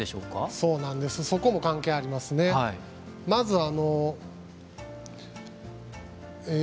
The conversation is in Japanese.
そうなんですそこも関係ありますね。